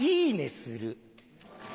する。